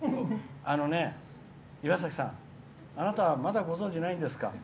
あのね、岩崎さんあなたは、まだご存じないんですか？